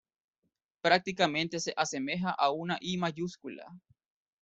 Prácticamente se asemeja a una I mayúscula.